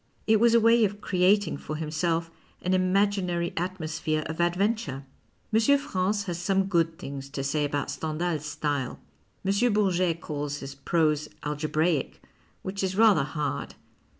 It was a way of creating for himself an imaginary atmosphere of adventure. M. France has some good things to say about Stendhal's style. M. Bourget calls his prose alge braic, which is rather hard.